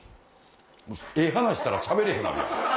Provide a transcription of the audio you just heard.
ええ話したらしゃべれへんようになるやん。